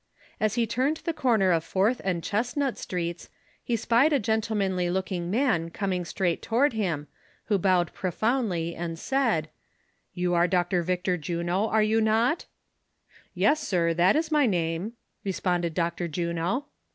As he turned the corner of Fourth and Chestnut streets, he spied a gentlemanly looking man coming straight to ward him, who bowed profoundly and said : "You are Dr. Victor Juno, are you not V "" Yes, sir, that is my name," responded Dr. Juno.